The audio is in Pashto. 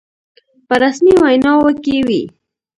په رسمي ویناوو کې وي.